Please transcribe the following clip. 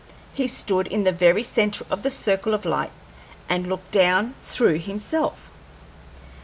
He stood in the very centre of the circle of light and looked down through himself.